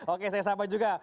oke saya sapa juga